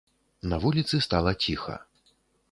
На вуліцы стала ціха.